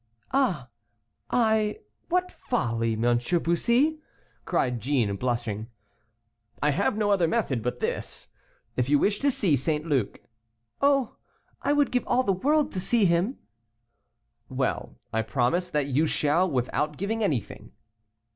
"Ah I what folly, M. Bussy," cried Jeanne, blushing. "I have no other method but this. If you wish to see St. Luc " "Oh! I would give all the world to see him." "Well, I promise that you shall without giving anything."